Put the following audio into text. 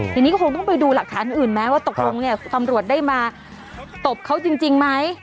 ทีนี้คงต้องไปดูหลักฐานอื่นมั้ยว่าตกลงเนี้ยคุณตำรวจได้มาตบเขาจริงจริงมั้ย